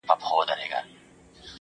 د خپل ښايسته خيال پر رنگينه پاڼه.